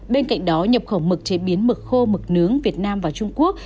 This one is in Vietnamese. bên cạnh đó nhập khẩu mực chế biến mực khô mực nướng việt nam và trung quốc